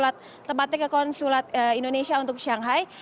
tempatnya ke konsulat indonesia untuk shanghai